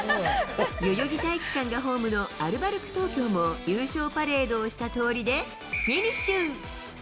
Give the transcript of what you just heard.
代々木体育館がホームの、アルバルク東京も優勝パレードをした通りで、フィニッシュ。